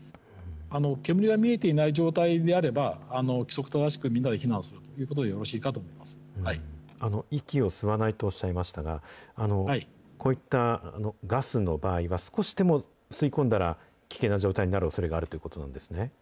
煙が見えていない状態であれば、規則正しくみんなで避難するとい息を吸わないとおっしゃいましたが、こういったガスの場合は、少しでも吸い込んだら、危険な状態になるおそれがあるということなんですね？